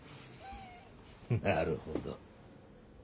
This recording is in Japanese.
なるほど。